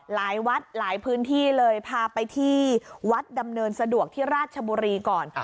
หลายวัดหลายพื้นที่เลยพาไปที่วัดดำเนินสะดวกที่ราชบุรีก่อน